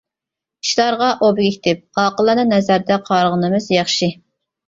ئىشلارغا ئوبيېكتىپ، ئاقىلانە نەزەردە قارىغىنىمىز ياخشى.